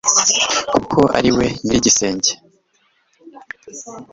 kuko ariwe nyir' igisenge